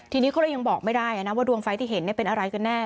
ทีนี้เขาเลยยังบอกไม่ได้นะว่าดวงไฟที่เห็นเป็นอะไรกันแน่